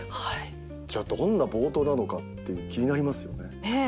どんな冒頭なのか気になりますよね。